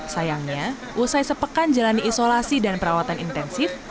sayangnya usai sepekan jalani isolasi dan perawatan intensif